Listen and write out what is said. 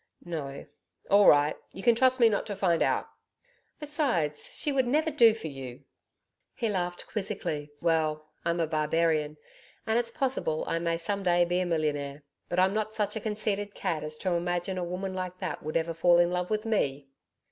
'No. All right. You can trust me not to find out.' 'Besides, she would never do for you.' He laughed quizzically. 'Well, I'm a barbarian, and it's possible I may some day be a millionaire. But I'm not such a conceited cad as to imagine a woman like that would ever fall in love with ME!'